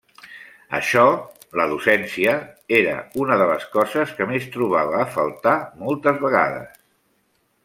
Això -la docència- era una de les coses que més trobava a faltar moltes vegades.